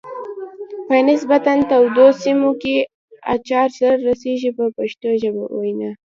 په نسبتا تودو سیمو کې اچار زر رسیږي په پښتو وینا.